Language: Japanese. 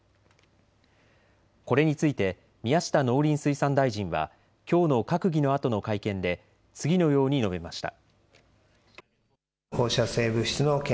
これについて宮下農林水産大臣はきょうの閣議のあとの会見で次のように述べました。